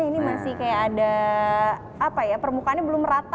ini masih kayak ada permukaannya belum rata